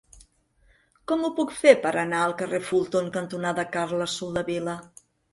Com ho puc fer per anar al carrer Fulton cantonada Carles Soldevila?